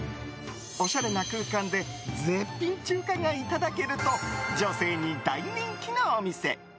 おしゃれな空間で絶品中華がいただけると女性に大人気のお店。